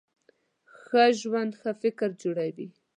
ښه ژوند ښه فکر جوړوي.